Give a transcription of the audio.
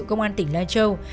công an tỉnh lai châu